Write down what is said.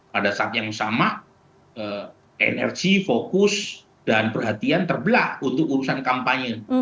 pada saat yang sama energi fokus dan perhatian terbelak untuk urusan kampanye